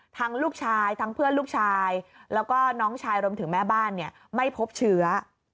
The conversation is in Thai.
ลูกชายทั้งเพื่อนลูกชายแล้วก็น้องชายรวมถึงแม่บ้านไม่พบเชื้อ